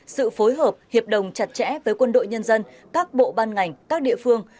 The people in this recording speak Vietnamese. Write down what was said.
sự phối hợp hiệp đồng chặt chẽ với quân đội nhân dân các bộ ban ngành các địa phương